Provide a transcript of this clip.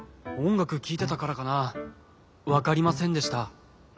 おんがくきいてたからかなわかりませんでした。